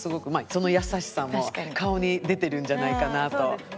その優しさも顔に出てるんじゃないかなと思って。